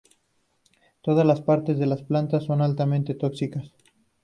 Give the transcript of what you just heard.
Todas las partes de la planta son altamente tóxicas.